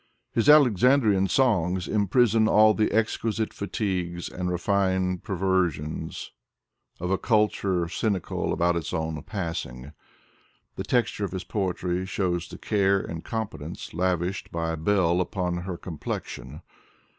His Alexandrian Songs imprison all the exquisite fatigues ' and refined perversions of a culture C3mical about its own passing. The texture of his poetry shows the care and competence lavished by a belle upon her complexion.